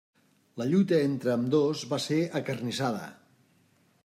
La lluita entre ambdós va ser acarnissada.